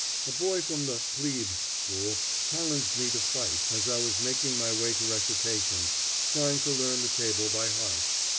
A boy from the "plebs" school challenged me to fight, as I was making my way to recitation, trying to learn the table by heart.